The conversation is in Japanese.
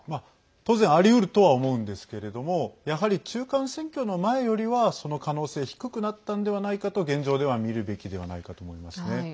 当然ありうるとは思うんですけれどもやはり中間選挙の前よりはその可能性低くなったのではないかと現状では見るべきではないかと思いますね。